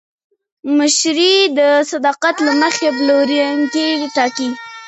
مشتری د صداقت له مخې پلورونکی ټاکي.